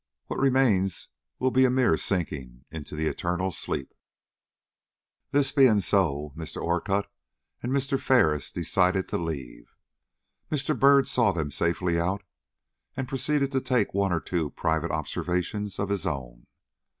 What remains will be a mere sinking into the eternal sleep." This being so, Mr. Orcutt and Mr. Ferris decided to leave. Mr. Byrd saw them safely out, and proceeded to take one or two private observations of his own.